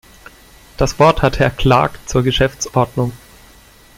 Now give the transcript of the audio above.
Das Wort hat Herr Clark zur Geschäftsordnung.